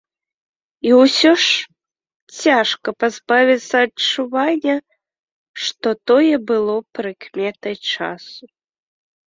І ўсё ж, цяжка пазбавіцца адчування, што тое было прыкметай часу.